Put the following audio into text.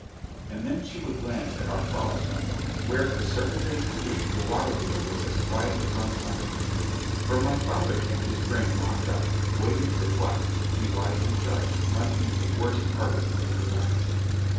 And then she would glance at our flour mill, where for several days a week the water wheel was as quiet as on Sundays; for my father kept his grain locked up, waiting for what, he wisely judged, might be a worse harvest than the last.